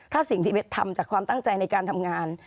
ถ้าสิ่งที่ทำจากความตั้งใจในการทำงาน